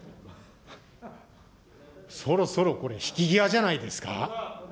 そろそろこれ、引き際じゃないですか。